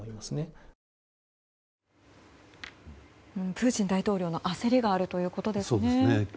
プーチン大統領の焦りがあるということですね。